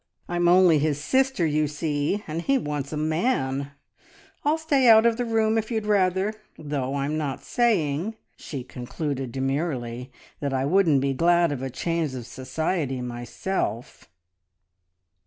I'm only his sister, you see, and he wants a man! I'll stay out of the room if you'd rather; though I'm not saying," she concluded demurely, "that I wouldn't be glad of a change of society myself!"